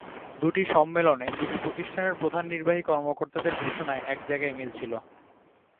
দুটি সম্মেলনে দুটি প্রতিষ্ঠানের প্রধান নির্বাহী কর্মকর্তাদের ঘোষণায় এক জায়গায় মিল ছিল।